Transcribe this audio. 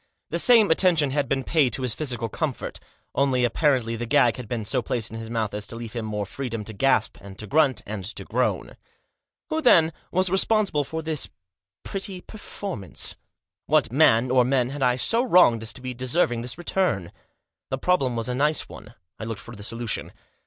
The same attention had been paid to his physical comfort ; only apparently the gag had been so placed in his mouth as to leave him more freedom to gasp, and to grunt, and to groan. Who, then, was responsible for this pretty perform since t What man, or men, had I so wronged as to be deserving this return ? The problem was a nice one. I looked for the solution.